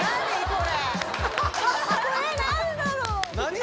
これこれ何だろう？